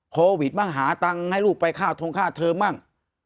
โฮวิดมาหาตังค์ให้ลูกไปฆ่าทงฆ่าเธอบ้าง